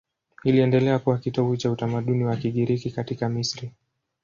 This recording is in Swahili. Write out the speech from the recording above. Iliendelea kuwa kitovu cha utamaduni wa Kigiriki katika Misri.